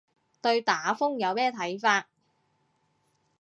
對打風有咩睇法